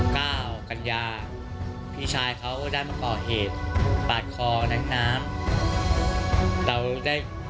เก้ากัญญาพี่ชายเขาได้มาก่อเหตุปาดคอนักน้ำเราได้